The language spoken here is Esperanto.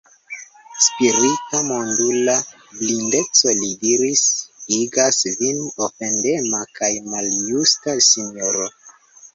Spirita, mondula blindeco, li diris, igas vin ofendema kaj maljusta, sinjoro.